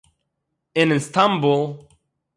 אין איסטאַנבול